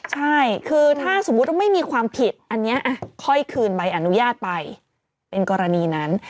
ใช่คือถ้าสมมุติว่าไม่มีความผิดอันนี้ค่อยคืนใบอนุญาตไปเป็นกรณีนั้น